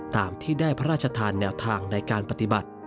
ตามที่ได้พระราชทานแนวทางในการปฏิบัติ